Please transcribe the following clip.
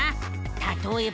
たとえば。